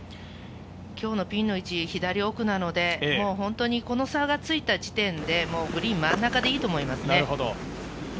今日のピンの位置、左奥なので、この差がついた地点でグリーンの真ん中でいいと思いますね。